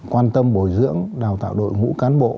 quan tâm bồi dưỡng đào tạo đội ngũ cán bộ